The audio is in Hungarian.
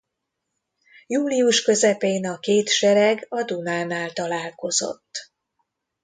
Július közepén a két sereg a Dunánál találkozott.